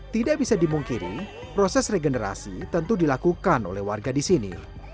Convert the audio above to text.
tidak bisa dimungkiri proses regenerasi tentu dilakukan oleh warga di sini